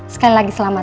sekali lagi selamat